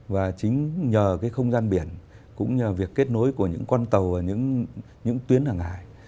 và chính nhờ cái không gian biển cũng như việc kết nối của những con tàu ở những tuyến hàng hải